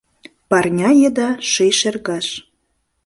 Парня еда — ший шергаш.